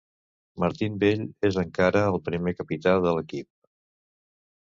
Martin Bell és encara el primer capità de l'equip.